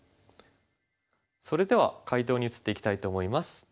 それでは解答に移っていきたいと思います。